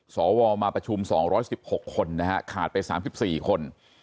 สวมาประชุมสองร้อยสิบหกคนนะฮะขาดไปสามสิบสี่คน